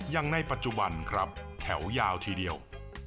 ในปัจจุบันครับแถวยาวทีเดียว